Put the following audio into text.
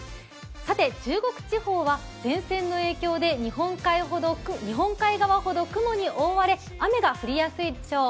さて、中国地方は前線の影響で日本海側ほど雲に覆われ雨が降りやすいでしょう。